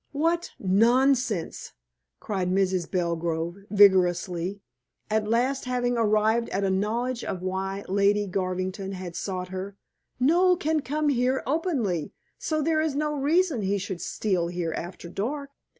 "What nonsense!" cried Mrs. Belgrove vigorously, at last having arrived at a knowledge of why Lady Garvington had sought her. "Noel can come here openly, so there is no reason he should steal here after dark."